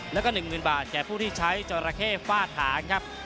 แล้วก็๑๐๐๐บาทแก่ผู้ที่ใช้จอราเข้ฟาดหางครับ